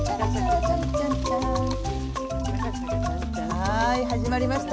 はい始まりました。